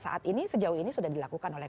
saat ini sejauh ini sudah dilakukan oleh